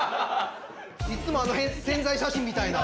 いつもあの宣材写真みたいな。